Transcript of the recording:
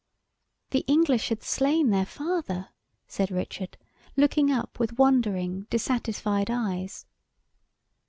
"The English had slain their father!" said Richard, looking up with wondering dissatisfied eyes.